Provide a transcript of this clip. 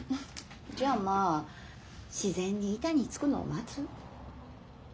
じゃまあ自然に板につくのを待つ？